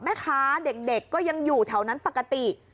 แม่ค้าเด็กก็ยังอยู่แถวนั้นปกติ